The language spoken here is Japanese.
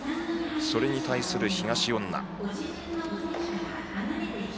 それに対する東恩納。